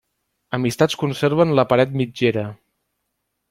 Amistats conserven la paret mitgera.